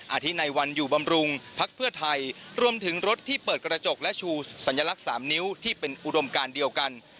อาทิตในวันอยู่บำรุงพักเพื่อไทยรวมถึงรถที่เปิดกระจกและชูสัญลักษณ์๓นิ้วที่เป็นอุดมการเดียวกัน